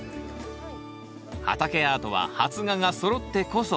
畑アートは発芽がそろってこそ。